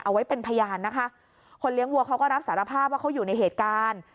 เอาไว้เป็นพยานนะคะคนเลี้ยงวัวเขาก็รับสารภาพว่าเขาอยู่ในเหตุการณ์